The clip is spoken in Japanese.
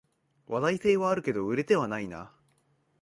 話題性はあるけど売れてはないな